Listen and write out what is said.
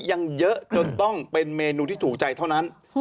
ยังเยอะจนต้องเป็นเมนูที่ถูกใจเท่านั้น